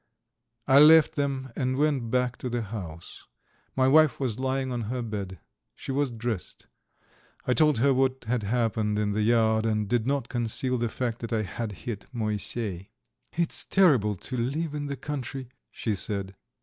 I left them and went back to the house; my wife was lying on her bed; she had dressed. I told her what had happened in the yard, and did not conceal the fact that I had hit Moisey. "It's terrible to live in the country," she said.